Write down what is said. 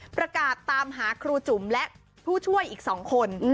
ประกาศตามหาครูจุ๋มและผู้ช่วยอีก๒คน